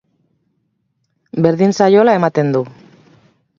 Berdin zaiola ematen du.